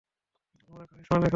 আমরা কারিশমা দেখালাম!